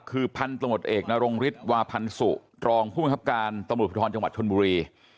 คือพันธุ์ตำรวจเอกนโรงฤทธิ์วาพันธุ์สูตรองผู้มีความขับการตำรวจปริฐรณะจังหวัดชนบุรี